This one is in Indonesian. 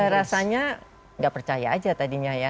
rasanya nggak percaya aja tadinya ya